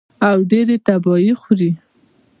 او ډېرې تباهۍ خوروي